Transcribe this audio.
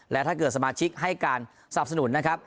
และถ้าเกิดสมาชิกให้การสนับสนุนนะครับ